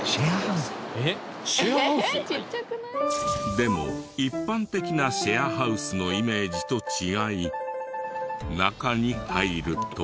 でも一般的なシェアハウスのイメージと違い中に入ると。